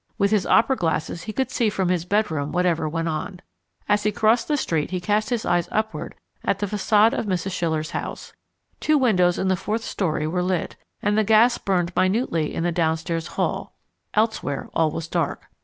With his opera glasses he could see from his bedroom whatever went on. As he crossed the street he cast his eyes upward at the facade of Mrs. Schiller's house. Two windows in the fourth storey were lit, and the gas burned minutely in the downstairs hall, elsewhere all was dark.